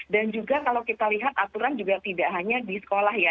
juga kalau kita lihat aturan juga tidak hanya di sekolah ya